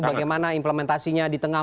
bagaimana implementasinya di tengah